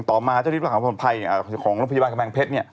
ต่อมาเจ้าฤทธิ์ประหลาดผลสมภัยของโรงพยาบาลกะแมงเพชร